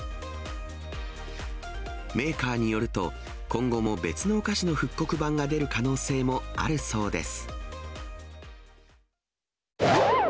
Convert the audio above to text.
メーカーによると、今後も別のお菓子の復刻版が出る可能性もあるそうです。